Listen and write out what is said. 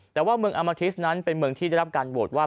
แต่ว่าเมืองอามาทิสนั้นเป็นเมืองที่ได้รับการโหวตว่า